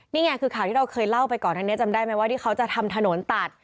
นี่ไงคือข่าวที่เราเคยเล่าไปก่อนทั้งนี้จำได้ไหมว่าที่เขาจะทำถนนตัด